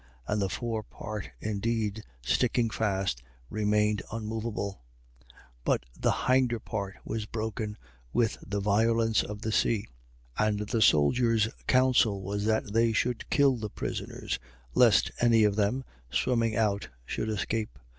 And the forepart indeed, sticking fast, remained unmoveable: but the hinder part was broken with the violence of the sea. 27:42. And the soldiers' counsel was that they should kill the prisoners, lest any of them, swimming out should escape. 27:43.